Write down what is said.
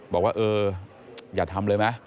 บอกว่าเอออย่าทำเลยไหม